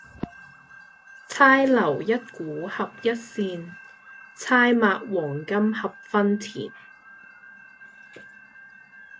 釵留一股合一扇，釵擘黃金合分鈿。